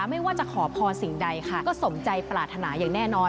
ไม่ว่าจะขอพรสิ่งใดค่ะก็สมใจปรารถนาอย่างแน่นอน